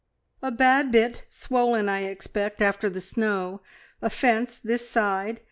"A bad bit, swollen, I expect, after the snow. A fence this side.